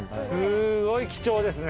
すごい貴重ですねじゃあ。